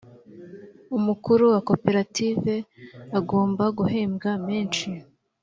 umukuru wa koperative agomba guhembwa meshi